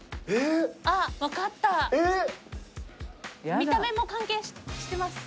見た目も関係してます？